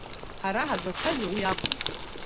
Ҳара ҳазлацәажәо уи акәым.